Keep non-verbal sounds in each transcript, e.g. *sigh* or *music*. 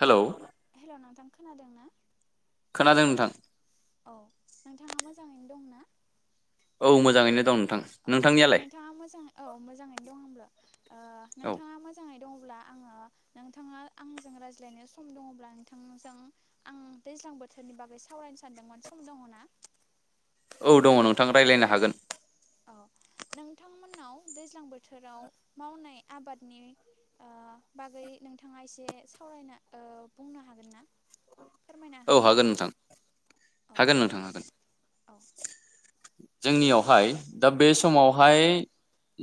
Hello hello नोंथां खोनादों ना? खोनादों नोंथां। औ नोंथाङा मोजाङैनो दं ना? औ मोजाङैनो दं। नोंथां अ नोंथांनियालाय नोंथाङा मोजाङै औ मोजाङैनो दं आंबो। ओ औ नोंथाङा मोजाङै दङ अब्ला आङो नोंथाङा आंजों रायज्लायनो सम दङब्ला नोंथांजों आं दैज्लां बोथोरनि बागै सावरायनो सानदोंमोन सम दङ ना? औ दङ नोंथां रायलायनो हागोन। औ नोंथांमोननाव दैज्लां बोथोराव मावनाय आबादनि ओ बागै नोंथाङा एसे सावरायना ओ बुंनो हागोन ना? फोरमायना औ होनो हागोन नोंथां औ हागोन नोंथां हागोन। औ जोंनियावहाय दा बे समावहाय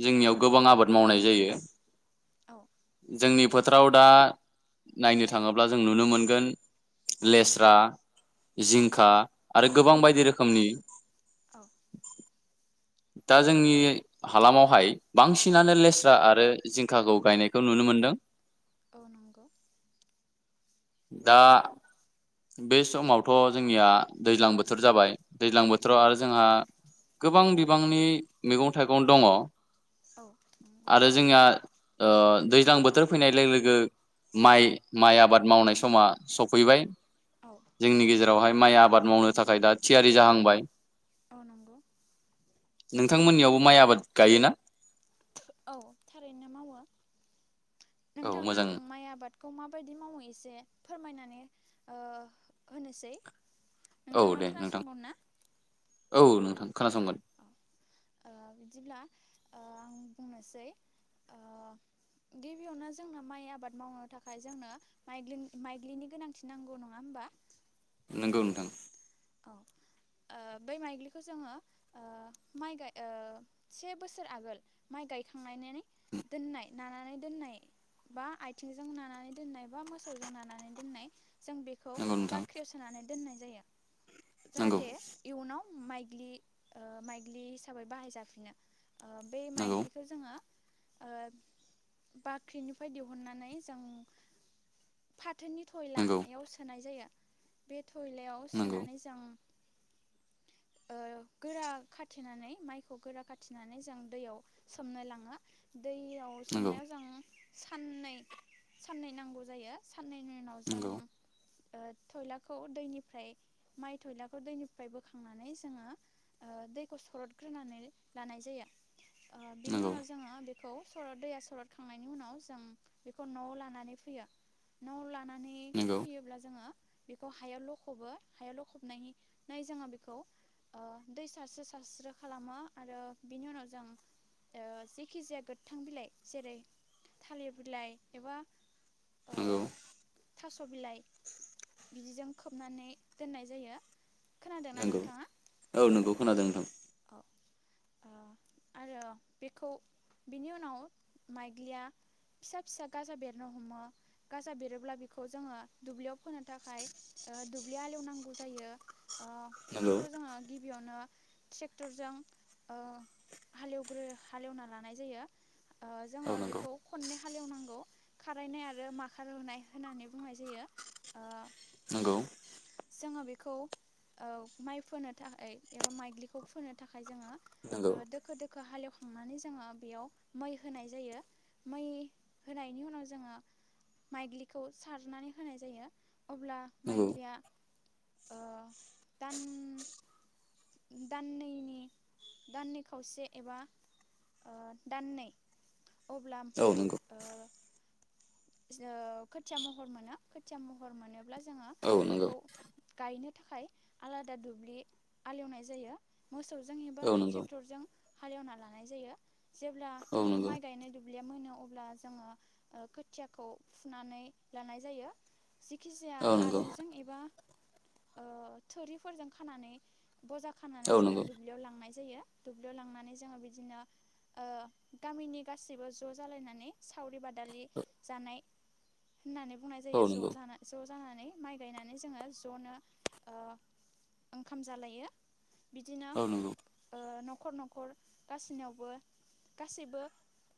जोंनियाव गोबां आबाद मावनाय जायो। औ जोंनि फोथाराव दा नायनो थाङोब्ला जों नुनो मोनगोन लेस्रा जिं खा आरो गोबां औ बायदि रोखोमनि औ दा जोंनि हालामावहाय औ बांसिनानो लेस्रा आरो जिंखाखौ गायनायखौ नुनो मोनदों। औ नंगौ दा बे समावथ' जोंनिया दैज्लां बोथोर जाबाय दैज्लां बोथोराव आरो जोंहा गोबां बिबांनि मैगं थाइगं दङ। औ नंगौ आरो जोंहा ओ दैज्लां बोथोर फैनाय लोगो लोगो माइ माइ आबाद मावनाय समा सफैबाय। औ जोंनि गेजेरावहाय माइ आबाद मावनो थाखाय दा थियारि जाहांबाय अ नंगौ नोंथांमोननियावबो माइ आबाद गायोना? औ थारैनो मावो औ नोंथांनो मोजां आं माइ आबादखौ मा माबायदि मावो एसे फोरमायनानै ओ होनोसै। औ नोंथाङा दे नोंथां खोनासंगोन ना? औ नोंथां खोनासंगोन। ओ बिदिब्ला ओ आं बुंनोसै ओ गिबियावनो जोंनो माइ आबाद मावनो थाखाय जोंनो माइगि माइग्लिनि गोनांथि नांगौ नङा होमबा नंगौ नोंथां। औ ओ बै माइग्लिखौ जोङो ओ माइ गाय ओ से बोसोर आगोल माइ गायखांनानै दोननाय नानानै दोननाय बा आथिंजों नानानै दोननाय बा मोसौजों नानानै दोननाय जों बेखौ नोंगौ नोंथां बाख्रियाव सोनानै दोननाय जायो नोंगौ जाहाथे इयुनाव माइग्लि ओ माइग्लि हिसाबै बाहायजाफिनो। ओ बे माइग्लिखौ जोङो ओ बाख्रिनिफ्राय दिहुननानै जों फा थोनि थयला नोंगौ बेयाव सोनाय जायो। बे थयलायाव। नोंगौ नोंगौ होनानै जों ओ गोरा खाथिनानै माइखौ गोरा खाथिनानै जों दैयाव सोमनो लाङो। दैयाव नोंगौ सोमनायाव जों साननै साननै नांगौ जायो साननैनि उनाव जों नोंगौ ओ थयलाखौ दैनिफ्राय माइ थयलाखौ दैनिफ्राय बोखां खांनानै जोङो ओ दैखौ सरदग्रोनानै लानाय जायो। ओ बिनि नोंगौ उनाव जोङो बे खौ सरद दैया सरद खांनायनि उनाव जों बेखौ न' लानानै फैयो न'आव ला नानै नोंगौ फैयोब्ला जोङो बेखौ हायाव लखबो हायाव लखबनायनि नाय जोङो बे खौ ओ दै सारस्रो सारस्रो खालामो आरो बिनि उनाव जों ओ जेखि जाया गोथां बिलाइ जेरै थालिर बिलाइ एबा ओ नंगौ। थास' बिलाइ बिदिजों खोबनानै दोननाय जायो। खोनादोंना नंगौ नोंथाङा औ नोंगौ खोनादों नोंथां। औ ओ आरो बेखौ बेनि उनाव माइग्लिया फिसा फिसा गाजा बेरनो हमो गाजा बेरोब्ला बेखौ जोङो दुब्लियाव फोनो थाखाय ओ दुब्लि हालेवनांगौ जायो। ओ नोंगौ बेखौ जोङो गिबियावनो ट्रेक्टरजों ओ हालेवग्रो हालेवना लानाय जायो। ओ जोङो औ नोंगौ बेखौ खननै हालेवनांगौ खारायनाय आरो माखारहोनाय होननानै बुंनाय जायो ओ नंगौ जोङो बेखौ ओ माइ फोनो थाखाय एबा माइग्लि खौ फोनो थाखाय जोङो ओ नोंगौ दोखो दोखो हालेव खांनानै जोङो बेयाव मै होनाय जायो मै होनायनि उनाव जोङो माइग्लिखौ सारनानै होनाय जायो। अब्ला नोंगौ माइग्लिया ओ दान दाननैनि दाननै खावसे एबा ओ दाननै अब्ला औ नोंगौ ओ खोथिया महर मोनो खोथिया महर मोनोब्ला जोङो औ नंगौ बेखौ गायनो खाय आलादा दुब्लि आलेवनाय जायो मोसौजों एबा औ नंगौ ट्रेक्टरजों हालेवना लानाय जायो जेब्ला औ दु नंगौ माइ गायनाय दुब ब्लिया मोनो अब्ला जोङो ओ खोथ थियाखौ फुनानै लानाय जायो। जेखि जाया औ नंगौ आरंजों एबा ओ थुरिफोरजों खानानै बजा खानानै औ जोङो नंगौ दुब्लियाव लांनाय जायो दुब्लियाव लांनानै जोङो बिदिनो ओ गामिनि गाैसिबो ज जालायनानै सावरि बादालि जानाय। होननानै बुंनाय औ जायो ज नंगौ जाना ज जानानै माइ गायनानै जोङो जनो ओ ओंखाम जालायो बिदिनो औ नंगौ ओ नख खर नखर गासिनियावबो गासिबो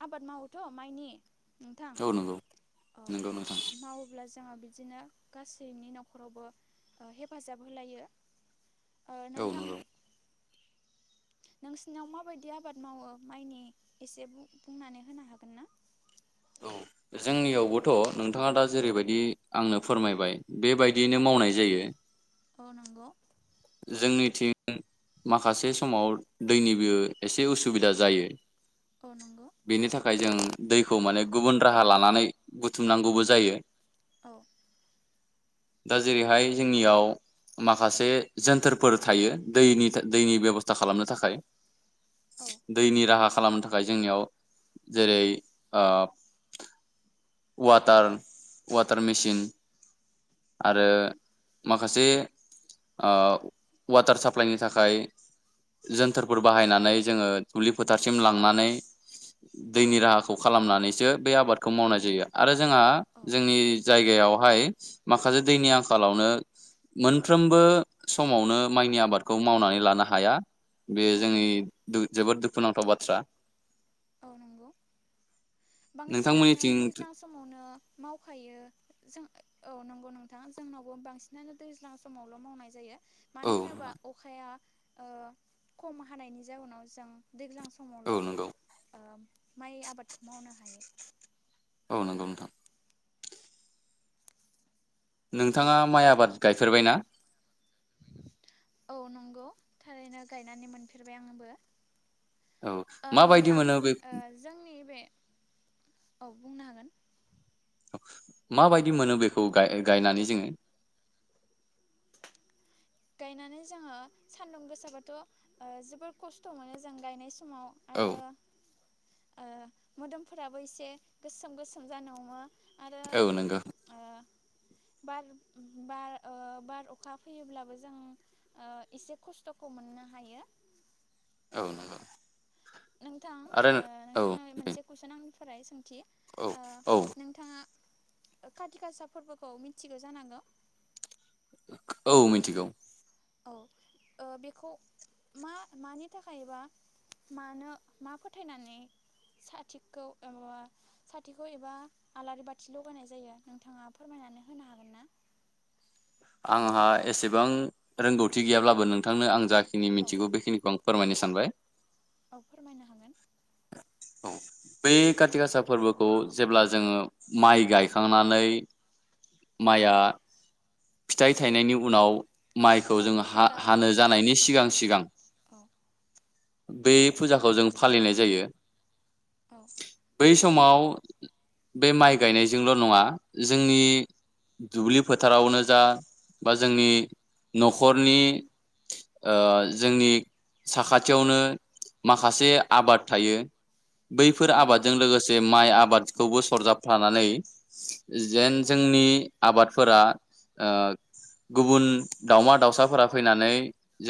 आबाद मावोथ माइनि नोंथां। औ नंगौ औ नंगौ नोंथां मावोब्ला ज जोंहा बिदिनो गासैनि नखरावबो ओ हेफाजाब होलायो। ओ औ नोंथां। नंगौ नोंसिनाव माबायदि आबाद मावो माइनि एसे बुं बुंनानै होनो हागोन ना। औ जोंनियावबोथ नोंथाङा दा जेरैबायदि आंनो फोरमायबाय। बेबायदियैनो औ मावनाय जायो। औ नंगौ जोंनिथिं माखासे समाव दैनिबो एसे उसुबिदा जायो। औ नंगौ। बेनि थाखाय जों दैखौ माने गुबुन राहा लानानै बुथुमनांगौबो जायो। औ। दा जेरैहाय जोंनियाव माखासे जोन्थोरफोर थायो दैनि दैनि बेबस्था खालामनो थाखाय। औ दैनि राहा। खालामनो थाखाय जोंनियाव जेरै ओ वाटार वाटार मेचिन। औ आरो माखासे ओ वाटार साप्लाइनि थाखाय जोनथोरफोर बाहायनानै जोङो दुब्लि फोथारसिम लांनानै दैनि राहाखौ खालामनानैसो बे आबादखौ मावनाय जायो आरो जोंहा औ जोंनि जाय गायावहाय माखासे दैनि आंखालावनो मोनफ्रोमबो समावनो माइनि आबादखौ मावनानै लानो हाया। बेयो औ जोंनि नंगौ जोबोद दु खुनांथाव बाथ्रा। औ नंगौ बांसिनानो नोंथांमोननिथिं दैज्लां समावनो मावखायो जों औ नंगौ नोंथां जोंनावबो बांसिनानो दैज्लां समावल मावनाय जायो। औ मानो होनोबा अखाया ओ खम हानायनि जाउनाव जों दैज्लां समावल औ नंगौ ओ माइ आबादखौ मावनो हायो। औ नंगौ नोंथां। नोंथाङा माइ आबाद गायफेरबाय ना? *unintelligible* औ नंगौ थारैनो गायनानै मोनफेरबाय आंबो। औ ओ माबायदि नोंथां मोनो बे ओ जोंनि बे औ बुंनो हागोन। माबायदि मोनो बेखौ गायनानै जोङो। गायनानै जोङो सान्दुं गोसाबथ ओ जोबोर खस्थ मोनो जों गायनाय सम फुंआव औ आरो ओ मोदोमफोराबो एसे गोसोम गोसोम जानो हमो। आरो औ नंगौ ओ बार बार ओ बार अखा फोयोबाबो जों ओ एसे खस्थखौ मोननो हायो। औ नंगौ। नोंथां आरो ओ औ नोंथांनो मोनसे कुइसन आं फराय सों अके औ ओ औ नोंथाङा। खाथि गासा फोरबोखौ मिथिगौ जानांगौ। औ मिथिगौ। औ ओ बेखौ मा मानि थाखाय एबा मानो मा फोथायनानै साथिखौ साथिखौ एबा आलारि बाथि लगायनाय जायो नोंथाङा फोरमायनानै होनो हागोन ना? आंहा एसेबां रोंगौथि गैयाब्लाबो नोंथांनो आं जाख खिनि औ मिथिगौ बेखिनिखौ आं फोरमायनो सानबाय। औ फोरमायनो हागोन। औ बै खाथि गासा फोरबोखौ जेब्ला जोङो माइ गायखांनानै माइआ फिथाइ थायनायनि उनाव माइखौ औ जों जेब्ला हा-हानो जानायनि सिगां सिगां औ बे फुजाखौ जों फालिनाय जायो। औ बै समाव बे माइ गायनायजोंल' नङा जोंनि बै दुब्लि फोथारावनो जा बा जोंनि न'खरनि जोंनि साखाथियावनो माखासे आबाद थायो। औ बैफोर नंगौ आबादजों लोगोसे माइ आबाद खौबो सरजाबफानानै जेन औ जोंनि आबादफोरा ओ गुबुन दाावमा दाउसाफोरा फैनानै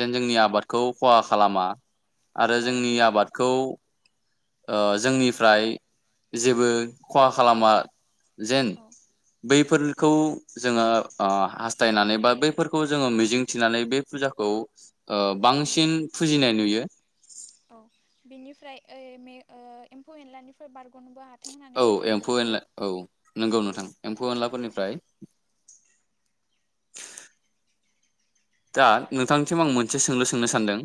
जेन जोंनि आबादखौ खहा खालामा आरो औ जोंनि नंगौ आबादखौ ओ जोंनिफ्राय जेबो खहा खालामा जेन औ बैफोर खौ जोङो ओ हास्थायनानै बा बैफोरखौ जोङो मिजिंथिनानै बे फुजाखौ ओ औ बांसिन फुजिनाय नुयो *unintelligible* औ बिनिफ्राय ओ मे एम्फौ एनलानिफ्राय बारग'नोबो हा औ एम्फौ एनला औ नॊंगौ औ नोंथां एम्फौ औ एनलाफोरनिफ्राय दा नोंथांनिसिम आं मोनसे सोंलु सोंनो सानदों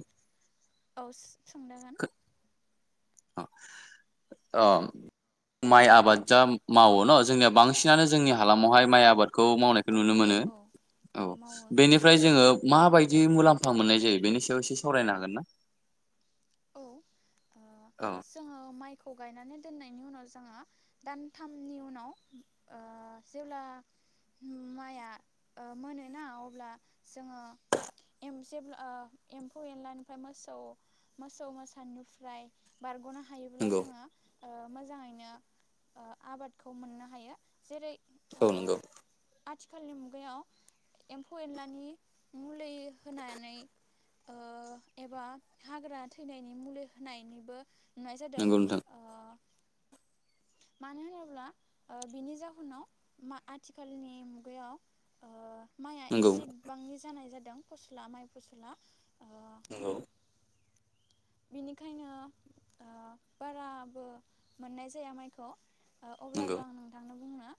औ सो सोंजागोन अ माइ आबाद जा मावो न जोंनिया बांसिनानो जोंनि औ हालामावहाय माइ आबादखौ मावनायखौ औ नुनो मावो मोनो औ औ बेनिफ्राय जोङो माबायदि मुलाम्फा मोननाय जायो बेनि सायाव एसे सावरायनो हागोन ना? औ। औ जोङो माइ खौ गायनानै दोननायनि उनाव जोङो दानथामनि उनाव जेब्ला माइआ ओ मोनोना अब्ला जोङो जेब्ला ओ एम्फौ एनलानिफ्राय मोसौ मोसौ मोसानिफ्राय बारग'ना हायोब्ला नंगौ जोङो ओ मोजाङैनो ओ आबादखौ मोननो हायो जेरै ओ औ नंगौ। आथिखालनि मुगायाव एम्फौ एनलानि मुलै होनानै ओ एबा हाग्रा थैनायनि मुलि होनायनिबो नाय जादों नंगौ नोंथां मानो होनोब्ला ओ बिनि जाहोनाव मा आथिखालनि मुगायाव ओ माइआ नंगौ एसे बिबांनि जानाय जादों फस्ला माइ फसला ओ। नंगौ। बेनिखायनो ओ बाराबो मोननाय जा जाया माइखौ ओ अब्लाबो नंगौ आं नोंथांनो ब बुंनो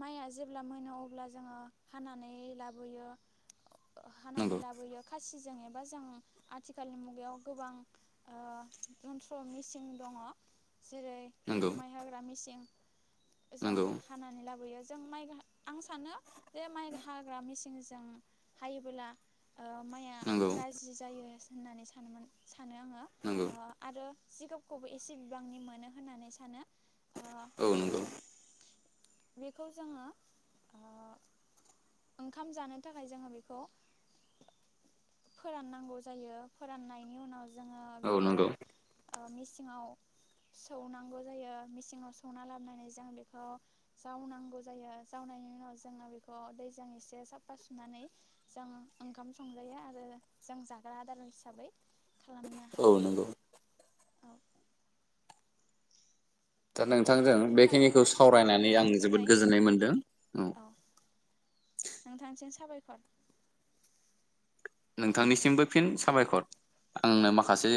माइआ जेब्ला मोनो अब्ला जोङो हानानै लाबोयो। हानानै नंगौ लाबोयो खासि। जेबा जों आथिखाल मुगायाव गोबां ओ जन्त्र मि दङ जेरै नंगौ। माइ हाग्रा मेसें जों नंगौ हानानै लाबोयो। जों माइ आं सानो जे माइ हाग्रा मेचिनजों हायोबोला। माइआ नंगौ गाज्रि जायो। होननानै सानोमोन सानो आङो नंगौ ओ आरो। सिग खौबो एसे बिबांनि मोनो होननानै सानो। ओ औ नंगौ बेखौ जोङो ओ ओंखाम जानो थाखाय जोङो बेखौ फोराननांगौ जायो फोराननायनि उनाव ज जोङो औ बेखौ नंगौ मिस मेसिङाव सौनांगौ जायो मिसिङाव सौना लाबोनानै जों बेखौ जावनांगौ जायो जावनायनि उनाव जोङो बेखौ दैजों एसे साफा सुनानै जों ओंखाम संजायो आरो जों जाग्रा आदार हिसाबै खालामनो औ हायो। नंगौ औ दा नोंथांजों नोंथां बेखिनिखौ जोंना समा सावरायनानै आं जानानै जोबोद फैबाय गोजोननाय मोनदों। औ खर नोंथांनिसिमबो फिन साबायखर आंनो माखासे